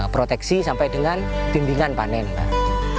proteksi sampai dengan bimbingan panen pak